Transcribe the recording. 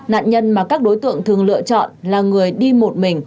nạn nhân mà các đối tượng thường lựa chọn là người đi một mình